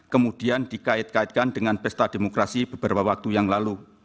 kemudian dikait kaitkan dengan pesta demokrasi beberapa waktu yang lalu